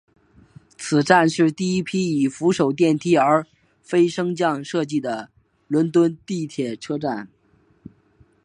此站是第一批以扶手电梯而非升降机设计的伦敦地铁车站。